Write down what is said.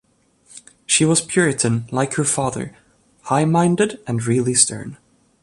She was puritan, like her father, high-minded, and really stern.